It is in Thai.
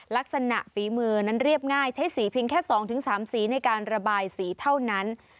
ฝีมือนั้นเรียบง่ายใช้สีเพียงแค่๒๓สีในการระบายสีเท่านั้น